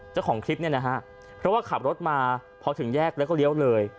เจ้าของคลิปเนี่ยนะฮะเพราะว่าขับรถมาพอถึงแยกแล้วก็เลี้ยวเลย